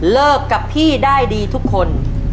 เลิกกับพี่ได้ดีทุกคน